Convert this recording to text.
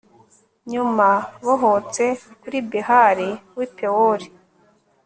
nyuma bohotse kuri behali w'i pewori